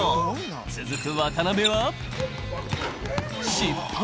続く渡邊は失敗。